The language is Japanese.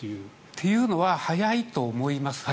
というのは早いと思います。